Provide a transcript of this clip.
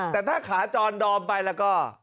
แต่ถ้าขาจรดอมไปแล้วก็